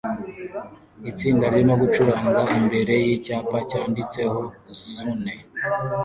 Itsinda ririmo gucuranga imbere yicyapa cyanditseho "Zune"